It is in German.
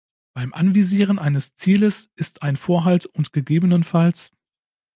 Beim Anvisieren eines Zieles ist ein Vorhalt und ggfs.